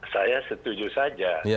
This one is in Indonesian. saya setuju saja